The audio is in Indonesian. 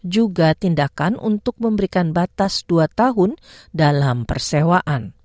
juga tindakan untuk memberikan batas dua tahun dalam persewaan